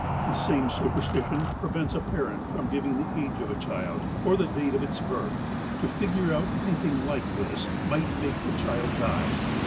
The same superstition prevents a parent from giving the age of a child, or the date of its birth. To figure out anything like this might make the child die.